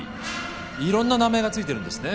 いろんな名前が付いてるんですね。